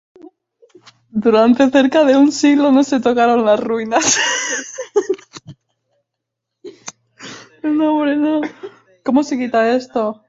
Durante cerca de un siglo no se tocaron las ruinas.